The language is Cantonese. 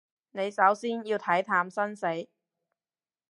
你首先要睇淡生死